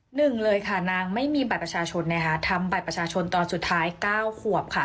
หนึ่งเลยค่ะนางไม่มีบัตรประชาชนนะคะทำบัตรประชาชนตอนสุดท้าย๙ขวบค่ะ